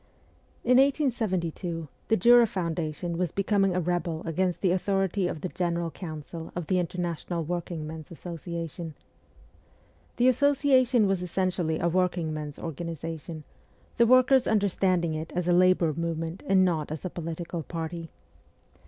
VOL. n. P 66 MEMOIRS OF A REVOLUTIONIST In 1872, the Jura Federation was becoming a rebel against the authority of the general council of the International Workingmen's Association. The Asso ciation was essentially a working men's organization, the workers understanding it as a labour movement and not as a political party.